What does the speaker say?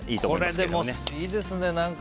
これ、いいですね。